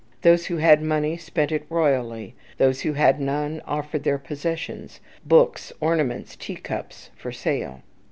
Those who had money spent it royally. Those who had none offered their possessions, books, ornaments, tea cups, for sale.